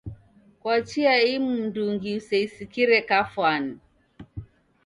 Kwa chia imu mndungi useisikire kafwani.